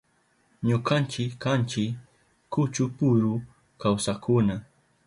Ñukanchi kanchi kuchupuru kawsakkuna.